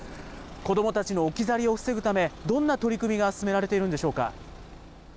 子どもたちの置き去りを防ぐため、どんな取り組みが進められているんでしょうか。